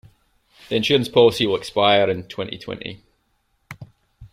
The insurance policy will expire in twenty-twenty.